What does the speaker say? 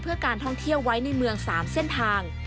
เพื่อการท่องเที่ยวไว้ในเมือง๓เส้นทาง